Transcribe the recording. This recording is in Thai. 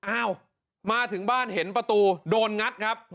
อ้าวมาถึงบ้านเห็นประตูโดนงัดครับ